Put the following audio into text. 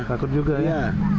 takut juga ya